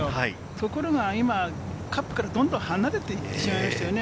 ところが今、カップからどんどん離れていってしまいましたよね。